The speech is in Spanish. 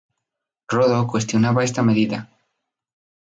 Rodó cuestionaba esta medida.